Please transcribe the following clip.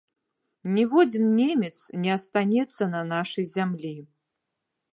Ніводзін немец не астанецца на нашай зямлі!